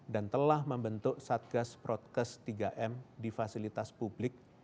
dan telah membentuk satgas protkes tiga m di fasilitas publik